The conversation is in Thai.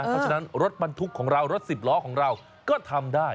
เพราะฉะนั้นรถบรรทุกของเรารถสิบล้อของเราก็ทำได้